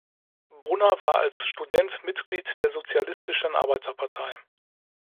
Brunner war als Student Mitglied der Sozialistischen Arbeiterpartei.